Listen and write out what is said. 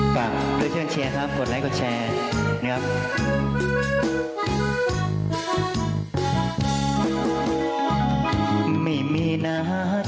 ก่อนที่จะก่อเหตุนี้นะครับไปดูนะฮะสิ่งที่เขาได้ทิ้งเอาไว้นะครับ